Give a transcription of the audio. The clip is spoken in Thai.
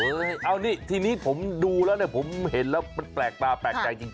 เอานี่ทีนี้ผมดูแล้วเนี่ยผมเห็นแล้วมันแปลกตาแปลกใจจริง